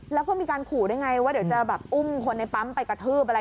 แล้วก็มีการขู่ด้วยไงว่าเดี๋ยวจะแบบอุ้มคนในปั๊มไปกระทืบอะไร